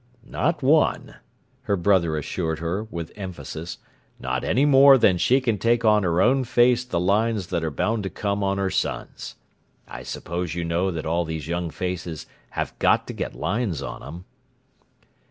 "Not one!" her brother assured her, with emphasis. "Not any more than she can take on her own face the lines that are bound to come on her son's. I suppose you know that all these young faces have got to get lines on 'em?"